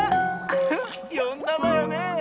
ウフよんだわよね？